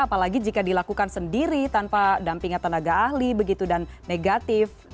apalagi jika dilakukan sendiri tanpa dampingan tenaga ahli begitu dan negatif